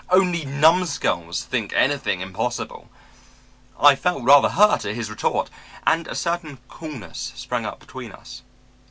Only numbskulls think anything impossible!' "I felt rather hurt at his retort and a certain coolness sprang up between us.